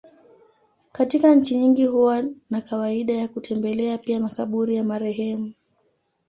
Katika nchi nyingi huwa na kawaida ya kutembelea pia makaburi ya marehemu.